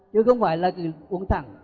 chứ không phải là uống thẳng